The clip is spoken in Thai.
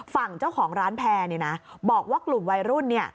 ฝั่งเจ้าของร้านแพร่เนี่ยนะบอกว่ากลุ่มวัยรุ่นเนี่ย